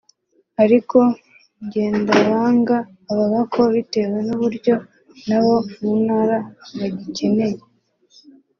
ariko Ngendabanga avuga ko bitewe n’uburyo n’abo mu ntara bagikeneye